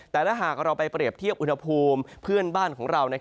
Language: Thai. แต่ถ้าหากเราไปเปรียบเทียบอุณหภูมิเพื่อนบ้านของเรา